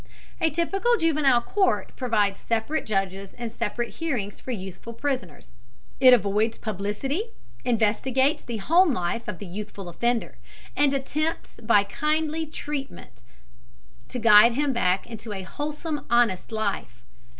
A typical juvenile court provides separate judges and separate hearings for youthful prisoners. It avoids publicity, investigates the home life of the youthful offender, and attempts by kindly treatment to guide him back into a wholesome, honest life.